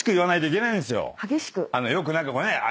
よく何かこうね。